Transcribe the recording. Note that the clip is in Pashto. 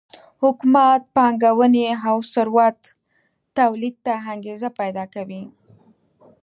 حکومت پانګونې او ثروت تولید ته انګېزه پیدا کوي.